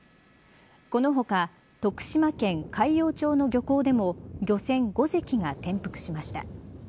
この他、徳島県海陽町の漁港でも漁船５隻が転覆しました。